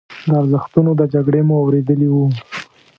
د ارزښتونو د جګړې مو اورېدلي وو.